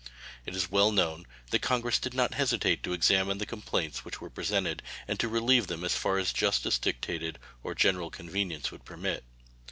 It is well known that Congress did not hesitate to examine the complaints which were presented, and to relieve them as far as justice dictated or general convenience would permit.